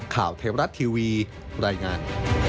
ข่าวเทวรัฐทีวีรายงาน